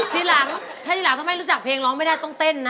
ทีหลังถ้าทีหลังถ้าไม่รู้จักเพลงร้องไม่ได้ต้องเต้นนะ